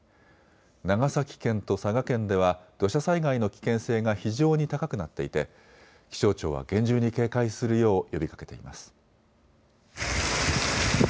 長崎県と佐賀県では土砂災害の危険性が非常に高くなっていて気象庁は厳重に警戒するよう呼びかけています。